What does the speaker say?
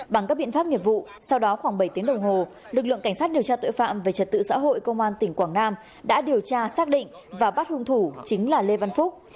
bằng các biện pháp nghiệp vụ sau đó khoảng bảy tiếng đồng hồ lực lượng cảnh sát điều tra tội phạm về trật tự xã hội công an tỉnh quảng nam đã điều tra xác định và bắt hung thủ chính là lê văn phúc